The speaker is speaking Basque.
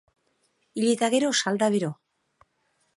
Hil eta gero, salda bero.